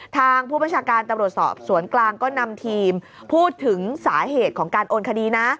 ทางผู้ประชาการตำรวจสอบสวนกลางก็นำทีมพูดถึงสาเหตุของการโอนคดีนะ